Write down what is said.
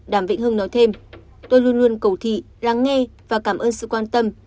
đàm vĩnh hưng nói thêm tôi luôn luôn cầu thị lắng nghe và cảm ơn sự quan tâm